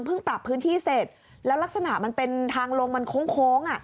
มันเพิ่งปรับพื้นที่เสร็จแล้วลักษณะมันเป็นทางลงมันโค้ง